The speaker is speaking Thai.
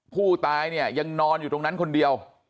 ผู้ตายเนี่ยยังนอนอยู่ตรงนั้นคนเดียว